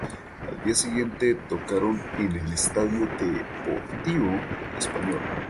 Al día siguiente tocaron en el estadio de Deportivo Español.